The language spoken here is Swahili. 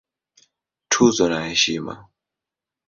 Tuzo na Heshima